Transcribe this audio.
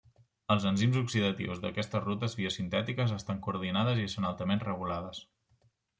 Els enzims oxidatius d'aquestes rutes biosintètiques estan coordinades i són altament regulades.